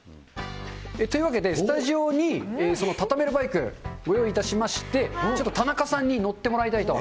というわけで、スタジオにそのタタメルバイク、ご用意いたしまして、ちょっと田中さんに乗ってもらいたいと。